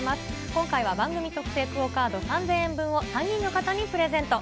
今回は番組特製ＱＵＯカード３０００円分を３人の方にプレゼント。